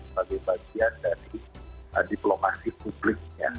sebagai bagian dari diplomasi publik ya